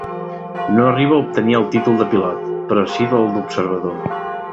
No arriba a obtenir el títol de pilot, però sí el d'observador.